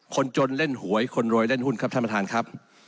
คนจนเล่นหวยคนรวยเล่นหุ้นครับท่านประธานครับ